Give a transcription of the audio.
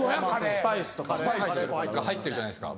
スパイスが入ってるじゃないですか。